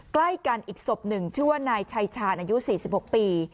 ใกล้กันอีกศพหนึ่งชื่อว่านายชัยชาญอายุ๔๖ปี